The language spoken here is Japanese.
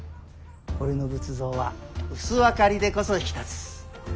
俺の仏像は薄明かりでこそ引き立つ。